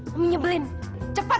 mami nyebelin cepat